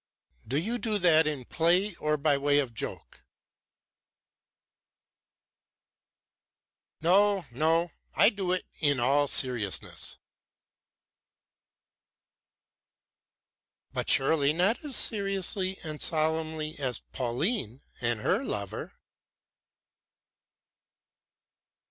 "Do you do that in play or by way of joke?" "No! No! I do it in all seriousness." "But surely not as seriously and solemnly as Pauline and her lover?"